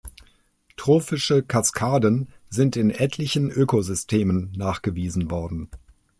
Trophische Kaskaden sind in etlichen Ökosystemen nachgewiesen worden.